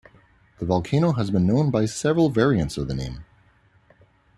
The volcano has been known by several variants of the name.